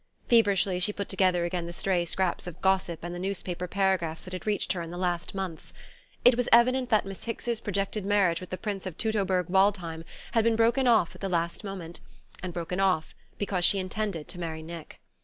Feverishly, she put together again the stray scraps of gossip and the newspaper paragraphs that had reached her in the last months. It was evident that Miss Hicks's projected marriage with the Prince of Teutoburg Waldhain had been broken off at the last moment; and broken off because she intended to marry Nick.